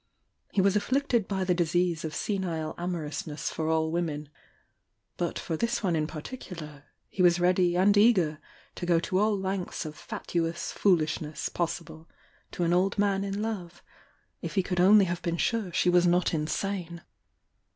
He was afflicted by the disease of senile amomousness for all women — but for this one in particular he was ready and eager to go to all lengths of fatuous foolishness possible to an old man in love, if he could only have been sure she was not insane!